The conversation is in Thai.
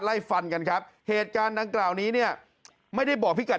ไล่ฟันกันครับเหตุการณ์ดังกล่าวนี้เนี่ยไม่ได้บอกพี่กัด